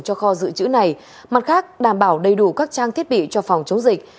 cho kho dự trữ này mặt khác đảm bảo đầy đủ các trang thiết bị cho phòng chống dịch